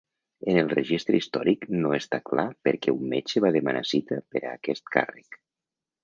En ell registre històric no està clar per què un metge va demanar cita per a aquest càrrec.